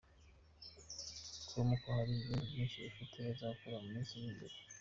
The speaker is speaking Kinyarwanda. com ko hari n’ibindi byinshi bafite bazakora mu minsi iri imbere.